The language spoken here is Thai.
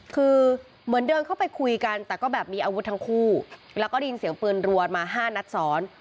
คือเหมือนเดินเข้าไปคุยกันแต่ก็แบบมีอาวุธทั้งคู่แล้วก็ได้ยินเสียงปืนรัวมา๕นัดซ้อน